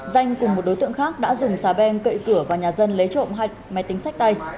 danh cùng một đối tượng khác đã dùng xà beng cậy cửa vào nhà dân lấy trộm hai máy tính sách tay